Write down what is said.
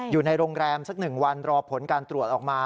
อยู่ในโรงแรมสัก๑วันรอผลการตรวจออกมา